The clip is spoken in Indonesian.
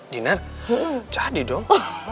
dina jadi dong